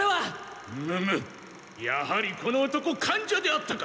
むむやはりこの男間者であったか。